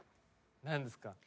何ですか？